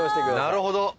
なるほど。